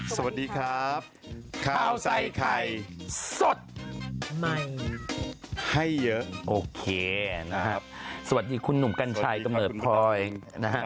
สวัสดีครับข้าวใส่ไข่สดใหม่ให้เยอะโอเคนะครับสวัสดีคุณหนุ่มกัญชัยกำเนิดพลอยนะฮะ